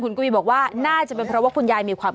คุณกุ้ยบอกว่าน่าจะเป็นเพราะว่าคุณยายมีความ